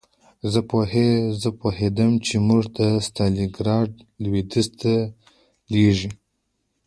زه پوهېدم چې موږ د ستالینګراډ لویدیځ ته لېږي